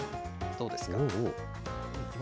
どうですか？